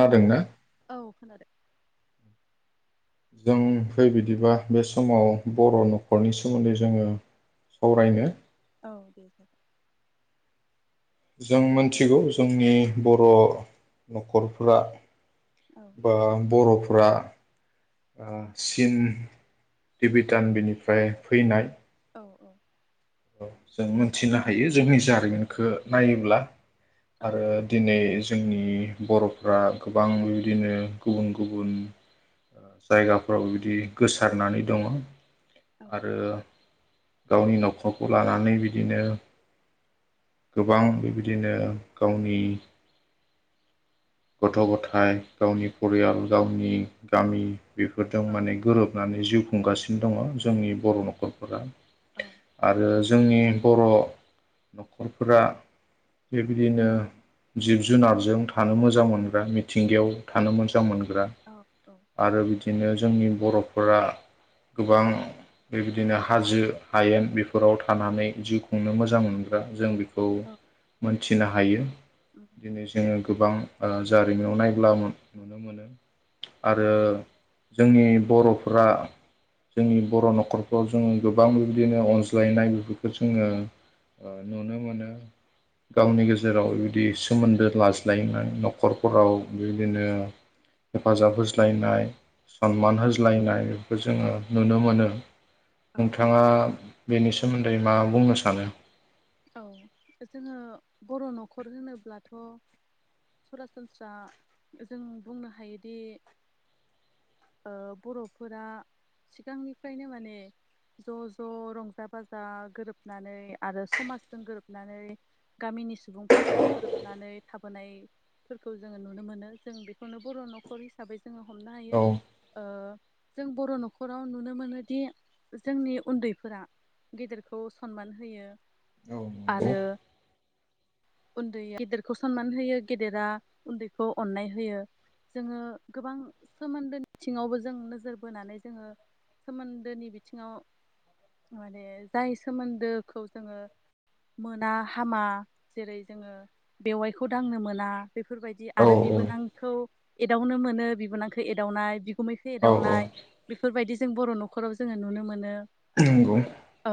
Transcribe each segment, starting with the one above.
हेल' औ खोनादों जों फै बिदिबा बे समाव बर' न'खरनि सोमोन्दै जोङो सावरायनो। औ दे जाबाय जों मिथिगौ जोंनि बर' न'खरफ्रा औ बा बरफ ्रा चिन भटान बिनिफ्राय फैनाय औ औ [inaudible] औ आरो दिनै जोंनि बर'फ्रा गोबां बेबायदिनो गुबुन गुबुन जायगाफोराव बेबायदि गोसारनानै दङ औ आरो गावनि न'खरखौ खौ लानानै बिदिनो गोबां बेबायदिनो गावनि गथ गथाय गावनि फरियाल गावनि गामि बेफोरजों माने गोरोबनानै जिउखौ हुंगासिम दङ जोंनि बर' न'खरफोरा औ आरो जोंनि बर' न'खरफोरा बेबायदिनो जिब जुनारजों थानो मोजां मोजां मोनग्रा मिथिंगायाव थानो मोजां मोनग्रा औ औ आरो नंगौ बिदिनो जोंनि बर गोबां बेबायदिनो हाजो हायेन बेफोराव थानानै जिउ खुंनो मोजां मोनग्रा जों बेखौ खौ मोनथिनो हायो उम दिनै जोंङो गोबां जारिमिन नायब्ला नुनो मोनो आरो औ जोंनि बर'फ्रा जोंनि बर‌ नखरफ्राव जोंङो गोबां बेबायदिनो अनज्लायनाय बेफोरखौ जोंङो नुनो मोनो गावनि गेजेराव बिबायदि सोमोन्दो लाज्लायनाय नख औ नखरफोराव बिदिनो हेफाजाब होज्लायनाय सनमान होज्लायनाय बेखौ जोंङो नुनो मोनो औ नोंथाङा बेनि सोमोन्दै मा बुंनो सानो औ जोङो बर नखर होनोब्लाथ सरासनस्रा जों बुंनो हायोदि बरफोरा सिगांनिफ्रायनो माने ज ज रंजा बाजा गोरोबनानै आरो समाज जों गोरोबनानै गामिनि सुबुंफोरजों गोरोबनानै थाबोनायफोरखौ जोङो नुनो मोनो जों बेखौनो बर' न'खर हिसाबै जोंङो हमनो हायो औ ओ जों बर नखराव नुनो मोनोदि जोंनि उन्दैफोरा गेदेरखौ सनमान होयो औ नंगौ आरो उन्दै गेदेरखौ सनमान होयो गेदेरा उन्दैखौ अननाय होयो जोंङो गोबां सोमोन्दोनिथिङावबो जों नोजोर बोनानै जोंङो सोमोन्दोनि बिथिङाव माने जाय सोमोन्दोखौ जोंङो मोना हामा जेरै जोंङो बेवाइखौ दांनो मोना बेफोरबायदि औ आरो बिबोनांखौ एदावनो मोनो बिबोनांखौ एदावनाय गुमैखौ औ औ एदावनाय बेफोरबायदि जों बर नखराव जोंङो नुनो मोनो नंगौ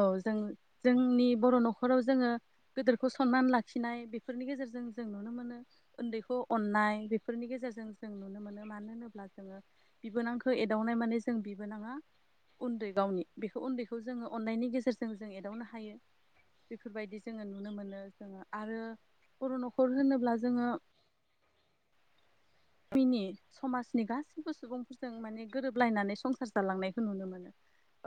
जों जोंनि बर नखराव जोंङो गेदिरखौ सनमान लाखि खिनाय बेफोरनि गेजेरजों जों नुनो मोनो। उन्दैखौ अननाय बेफोरनि गेजेरजों जों नुनो मोनो मानो होनोब्ला जोंङो बिबोनांखौ एदावनाय माने जों बिबोनाङा उन्दै गावनि बेखौ उन्दैखौ जोंङो अननायनि गेजेरजों जों एदावनो हायो बेफोरबायदि जोंङो नुनो मोनो जोंङो आरो बर नखर होनोब्ला जोंङो मिनि समाजनि गासैबो सुबुंफोरजों माने गोरोबलायनानै संसार जालांनायखौ नुनो मोनो।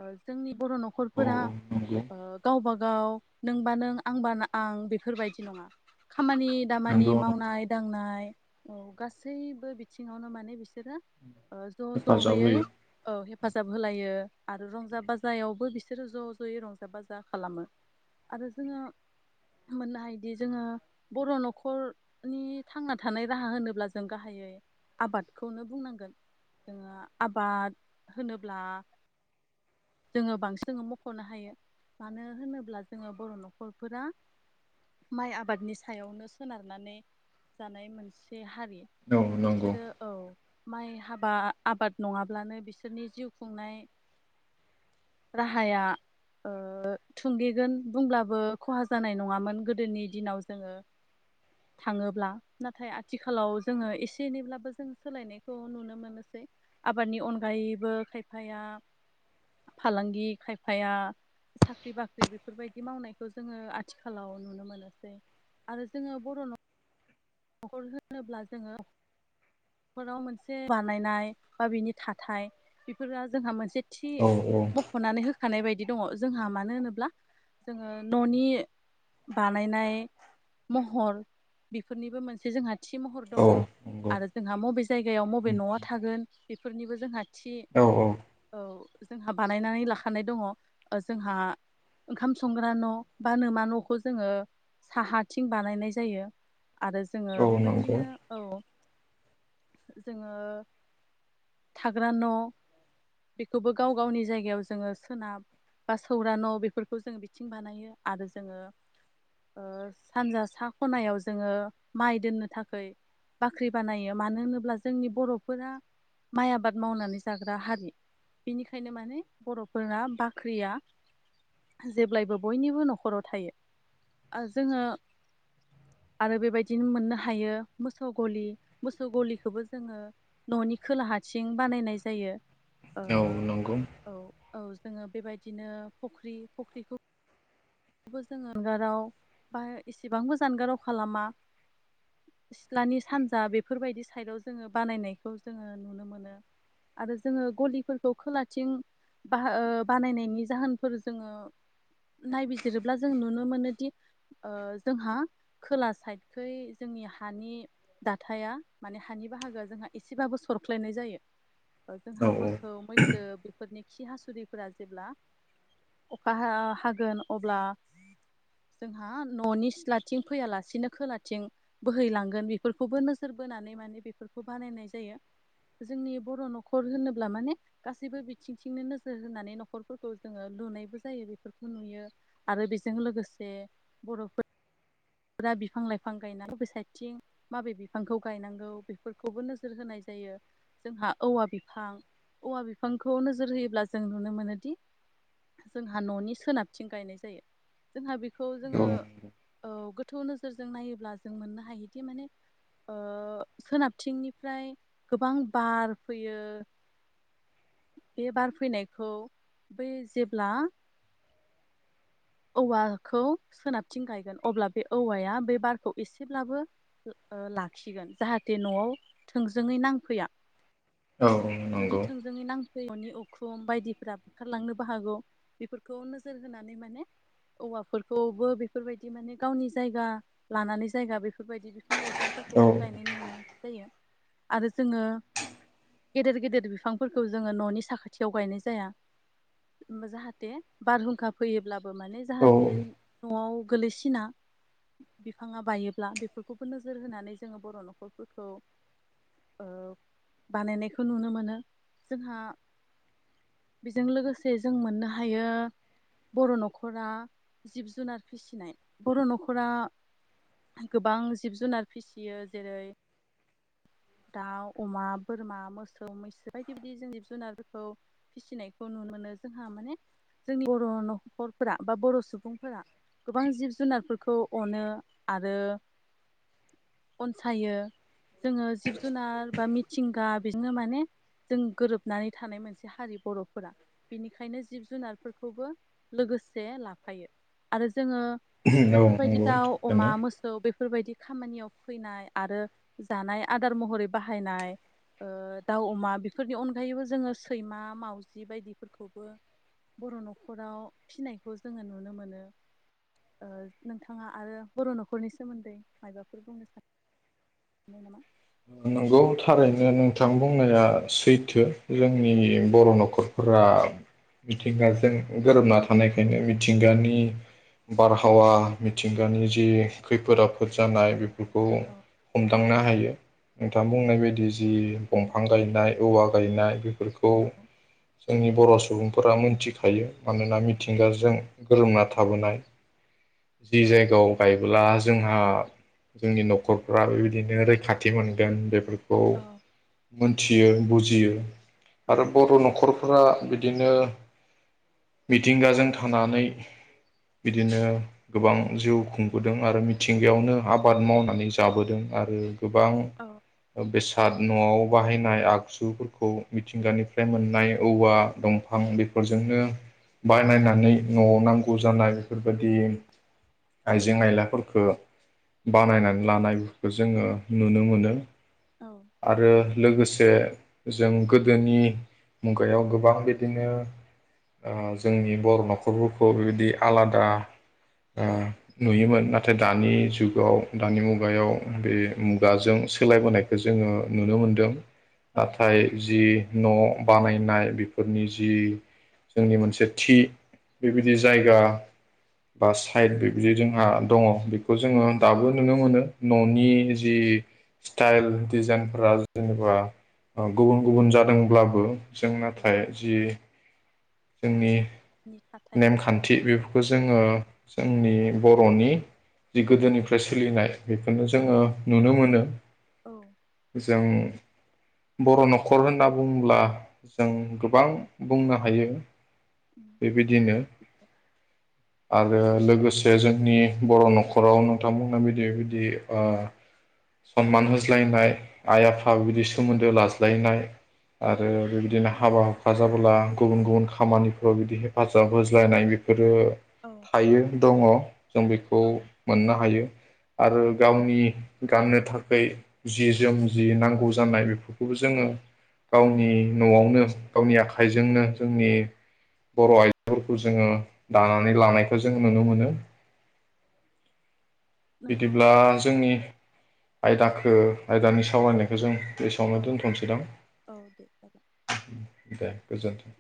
ओ जोंनि बर औ नखरफोरा औ नंगौ ओ गावबा गाव नोंबा नों आंबा ना आं बेफोरबायदि खामानि दामानि नंगौ मावनाय-दांनाय औ गासैबो बिथिंङावनो माने बिसोरो ओ ज ज हेफाजाब होयै होयो। औ हे फाजाब होलायो आरो रंजा-बाजायावबो बिसोरो ज' ज'यै रंजा-बाजा खालामो आरो जोंङो मोननो हायो दि जोंङो बर' न'खरनि थांना थानाय राहा होनोब्ला जों गाहायै आबादखौनो बुंनांगोनजोंङो आबाद होनोब्ला जोंङो बांसिन मख'नो हायो, मानो होनोब्ला जोंङो बर' न'खरफोरा माइ आबादनि सायावनो सोनारनानै जानाय मोनसे हारि। औ नंगौ बिसोरो औ। माइ हाबा आबाद नङाब्लानो बिसोरनि जिउ खुंनाय राहाया ओ थुंगेगोन बुंब्लाबो खहा जानाय नङामोन गोदोनि दिनाव जोंङो थाङोब्ला नाथाय आथिखालाव जोंङो एसे एनैब्लाबो जों सोलायनायखौ नुनो मोनोसै आबादनि अनगायैबो खायफाया फालांगि खायफाया साख्रि बाख्रि बेफोरबायदि मावनायखौ जोंङो आथिखालाव नुनो मोनोसै। आरो जोंङो बर' नख न'खर होनोब्ला जोंङो नख'राव मोनसे बानायनाय बा बिनि थाथाय बेफोराल जोंहा मोनसे औ औ। खानाय बायदि दङ जोंहा मानो होनोब्ला जोङो न'नि बानायनाय महर बेफोरनिबो मोनसे जोंहा खाथि महर दङ औ नंगौ आरो जोंहा मबे जायगायाव बबे न'आ थागोन बेफोरनिबो जोंहा थि औ औ औ। जोंहा बानायनानै लाखानाय दङ ओ जोंहा ओंखाम संग्रा न' बा न'मा न'खौ जोङो साहाथिं बानायनाय जायो आरो जोङो औ नंगौ बेबायदिनो औ जोंङो थाग्रा न' बेखौबो गाव गावनि जायगायाव जोङो सोनाब बा सौरा न' बेफोरखौ जोङो बिथिं बानायो आरो जोङो ओ सानजा सा खनायाव जोङो माइ दोननो थाखाय बाख्रि बानायो मानो होनोब्ला जोंनि बर'फोरा माइ आबाद मावनानै जाग्रा हारि। बेनिखायनो माने बर'फोराना बाख्रिया जेब्लायबो बयनिबो न'खराव थायो। ओजोङो आरो बेबायदिनो मोननो हायो मोसौ गलि, मोसौ गलिखौबो जोङो न'नि खोलाहाथिं बानायनाय जायो। औ नंगौ ओ औ जोङो बेबायदिनो फख्रि, फख्रिखौ बो जानगाराव बा एसेबांबो जानगाराव खालामा, सिथ्लानि सानजा बेफोरबायदि साइदाव जोङो बानायनायखौ जोङो नुनो मोनो। आरो जोङो गलिफोरखौ खोलाथिं बाहा ओ बानायनायनि जाहोनफोर जोङो नायबिजि रोब्ला जों नुनो मोनोदि ओ जोंहा खोला साइदखै जोंनि हानि दाथाया माने हानि बाहागोआ जोंहा एसेबाबो सरख्लायनाय जायो। ओ जोंहा औ मोसौ मैसो बेफोरनि खि हासुदैफोरा जेब्ला अखा हा-हागोन। अब्ला जोंहा न'नि सिथ्लाथिं फैयालासिनो खोलाथिं बोहैलांगोन बेफोरखौबो नोजोर बोनानै माने बेफोरखौ बानायनाय जायो, जोंनि बर' न'खर होनोब्ला माने गासैबो बिथिंथिंनो नोजोर होनानै न'खरफोरखौ जोङो लुनायबो जायो बेफोरखौ नुयो। आरो बेजों लोगोसे बर'फोर रा बिफां लाइफां गायनाय बबे साइथिं माबे बिफांखौ गायनांगौ बेफोरखौबो नोजोर होनाय जायो, जोंहा औवा बिफां औवा बिफांखौ नोजोर होयोब्ला जों नुनो मोनोदि जोंहा न'नि सोनाबथिं गायनाय जायो जोंहा बे खौ औ जोङो थौ नोजोरजों नायोब्ला जों मोननो हायोदि माने ओ सोनाबथिंनिफ्राय गोबां बार फैयो, बे बार फैनायखौ बै जेब्ला औवाखौ सोनाबथिं गायगोन अब्ला बे औवाया बे बारखौ एसेब्लाबो ओ लाखिगोन जाहाथे न'आव थोंजोङै नांफैया। औ जुदि नंगौ थोंजोङै नांफैयो न'नि उ खुम बायदिफोरा बुखारलांनोबो हागौ बेफोरखौ नोजोर होनानै माने औवाफोरखौबो बेफोरबायदि माने गावनि जायगा लानानै जायगा बेफोरबायदि बिफां औ लाइफांफोरखौबो गायनाय नुनाय जायो आरो जोङो गेदेर गेदेर बिफांफोरखौ जोङो न'नि साखाथियाव गायनाय जाया जाहाथे बारहुंखा फैयोब्ला माने औ औ जाहाथे न'आव गोलैसिना बिफाङा बायोब्ला बेफोरखौबो नोजोर होनानै जोङो बर' न'खरफोरखौ ओ बानायनायखौ नुनो मोनो जोंहा बेजों लोगोसे जों मोननो हायो बर' न'खरा जिब जुनार फिसिनाय। बर' न'खरा गोबां जिब जुनार फिसियो जेरै दाउ, अमा, बोरमा, मोसौ, मैसो बायदि बायदि जों जिब जुनारफोरखौ फिसिनायखौ नुनो मोनो जोंहा माने जोंनि बर' न'खरफोरा बा बर' सुबुंफोरा गोबां जिब जुनारफोरखौ अनो आरो अनसायो जोङो जुनार बा मिथिं गा बेजोंनो माने जों गोरोबनानै थानाय मोनसे हारि बर'फोरा बेनिखायनो जिब जुनारफोरखौबो लोगोसे लाफायो आरो जोङो बेफोरबायदि नंगौ दाउ, थारैनो अमा, मोसौ बे बेफोरबायदि खामानियाव फैनाय आरो जानाय आदा आदार महरै बाहायनाय ओ दाउ अमा बेफोरनि अनगायैबो जोङो सैमा मावजि बायदिफोरखौबो बर' न'खराव फिसिनायखौ जोङो नुनो मोनो ओ नोंथाङा आरो बर' न'खरनि सोमोन्दै मायबाफोर बुंनो सानो [unintelligible] गौ थारैनो नोंथां बुंनाया सैथो जों जोंनि बर' न'खरफोर मिथिंगाजों गोरोबना थानायखायनो मिथिंगानि बारहावा मिथिंगानि जिखैफोद आफोद जानाय बे फोरखौ औ हमदांनो हायो। नोंथां बुंनाय बायदि जि दंफां गायनाय औवा गायनाय। फोरखौ औ जोंनि बर' स सुबुंफोरा मोनथिखायो मानोना मिथिंगाजों गोरोबना थाबोनाय जि औ जायगायाव गायबोला जोंहा जोंनि न'खरफ्रा बेबायदिनो रैखाथि मोन गोन बेफोर खौ औ मोनथि [unintelligible] बुजियो। औ आरो बर' न'खरफोरा बिदि बिदिनो मिथिंगाजों थानानै बिदिनो गोबां जिउ खुंबोदों आरो मिथिंगायावनो आबाद मावनानै जाबोदों आरो गोबां औ बेसाद न'आव बाहायनाय आगजुफोरखौ मिथिंगानिफ्राय मोननाय औवा दंफां बेफोरजोंनो बानायनानै न'आव नांगौ जानाय बेफोरबायदि आइजें आयलाफोरफोरखो बानायनानै लानायफोरखो जोङो नुनो मोनो। औ आरो लोगोसे [unintelligible] जों गोदोनि मुगायाव गोबां बिदिनो ओ जोंनि बर' न'खरफोरखौ बेबायदि आलादा ओ नुयोमोन। नाथाय दानि जुगाव दानि मुगायाव बे मुगाजों सोलायबोनायखौ जोङो नुनो मोनदों। औ नाथाय जि न' बानायनाय बेफोरनि जि जोंनि मोनसे थि बेबायदि जायगा बा साइद बेबायदि जोंहा दङ बेखौ जोङो दाबो नुनो मोनो न'नि जि स्टाइल डिजाइनफोरा जेनेबा गुबुन गुबुन जादोंब्लाबो जों औ नाथाय जि जोंनि नि थाथाय नेमखान्थि बेफोरखौ जोङो जोंनि बर'नि जि गोदोनिफ्राय सोलिनाय बेखौनो जोङो नुनो मोनो। औ जों। बर' न'खर होनना बुंब्ला जों गोबां बुंनो हायो। बेबायदिनो आ रो लोगोसे जोंनि बर' न'खराव नोंथांमोननो बिदि बिदि ओ सनमान होज्लायनाय। आइ आफा बिदि सोमोन्दो ला यनाय आरो बेबायदिनो हाबा हुफखा जाबोला गुबुन गुबुन खामानिफोराव बिदि हेफाजाब होज्लायनाय बेफोर ओ औ थायो दङ। जों बिखौ औ मोननो हायो आरो औ गावनि गाननो थाखै जि जोम जि नांगौ जानाय बेफोरखौबो जोङो गावनि न'आवनो गावनि आख खाइजोंनो जोंनि बर' [unintelligible] जोङो दानानै लानाय खौ जों नुनो औ मोनो। नंगौ बिदिब्ला जोंनि औ आयदाखो आयदानि सावरायनायखौ जों बेसआवनो औ दोनथ'सै दां औ दे जागोन दे गोजोनथों।